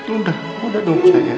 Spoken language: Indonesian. udah udah dong saya